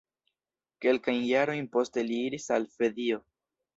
Kelkajn jarojn poste li iris al Svedio.